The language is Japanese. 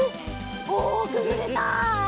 おくぐれた！